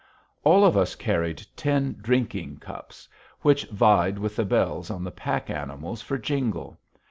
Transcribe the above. All of us carried tin drinking cups, which vied with the bells on the pack animals for jingle.